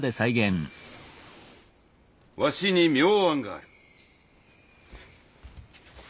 わしに妙案がある。